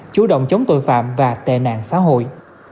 chủ động chống tội phạm và tệ nạn xã hội